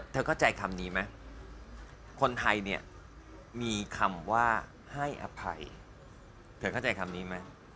เข้าใจคำนี้ไหมคนไทยเนี่ยมีคำว่าให้อภัยเธอเข้าใจคำนี้ไหม